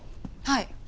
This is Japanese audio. はい。